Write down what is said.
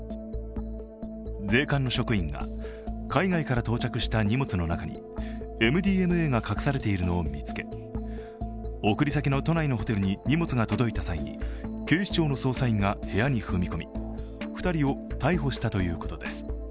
税関の職員が海外から到着した荷物の中にＭＤＭＡが隠されているのを見つけ、送り先の都内のホテルに荷物が届いた際に警視庁の捜査員が部屋に踏み込み２人を逮捕したということです。